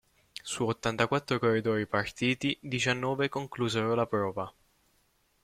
Su ottantaquattro corridori partiti, diciannove conclusero la prova.